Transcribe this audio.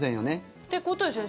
ってことですよね。